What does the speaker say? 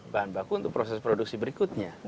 bahan baku untuk proses produksi berikutnya